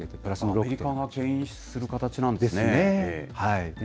アメリカがけん引する形なんですね。ですね。